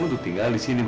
untuk tinggal disini